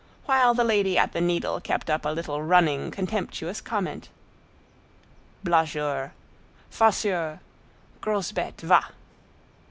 While the lady at the needle kept up a little running, contemptuous comment: "_Blagueur—farceur—gros bête, va!